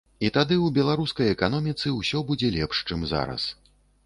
І тады ў беларускай эканоміцы ўсё будзе лепш, чым зараз.